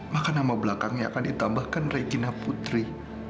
maka nama belakangnya akan ditambahkan rejina putri